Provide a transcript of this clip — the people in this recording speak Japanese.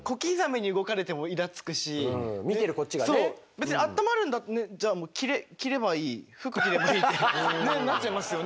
別にあったまるじゃあもう服着ればいいってなっちゃいますよね。